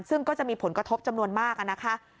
ซึ่งก็จะมีผลกระทบจำนวนมากนะคะ